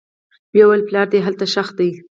ويې ويل پلار دې هلته ښخ دى.